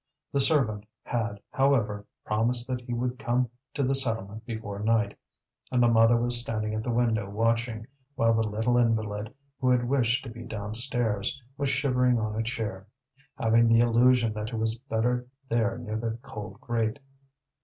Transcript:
The servant had, however, promised that he would come to the settlement before night, and the mother was standing at the window watching, while the little invalid, who had wished to be downstairs, was shivering on a chair, having the illusion that it was better there near the cold grate.